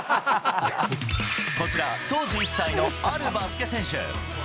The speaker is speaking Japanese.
こちら、当時１歳のあるバスケ選手。